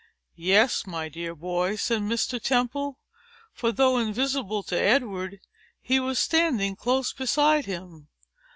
"Yes, my dear boy," said Mr. Temple; for, though invisible to Edward, he was standing close beside him.